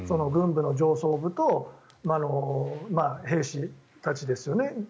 軍部の上層部と兵士たちですね